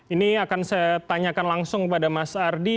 ini akan saya tanyakan langsung kepada mas ardi